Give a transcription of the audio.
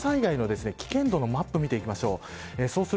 土砂災害の危険度のマップを見ていきましょう。